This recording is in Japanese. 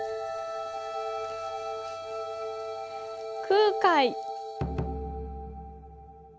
「空海」。